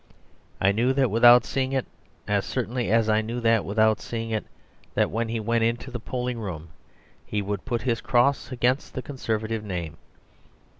I knew that without seeing it, as certainly as I knew without seeing it that when he went into the polling room he put his cross against the Conservative name.